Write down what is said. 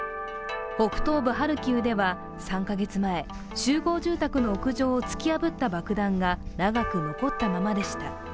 北東部ハルキウでは３カ月前、集合住宅の屋上を突き破った爆弾が長く残ったままでした。